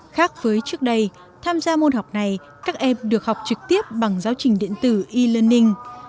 khác với trước đây tham gia môn học này các em được học trực tiếp bằng giáo trình điện tử e learning